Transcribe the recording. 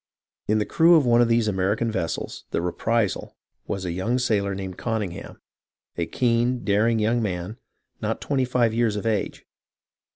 In the crew of one of these American vessels, the Reprisal, was a young sailor named Conyngham, a keen, daring young man, not twenty five years of age.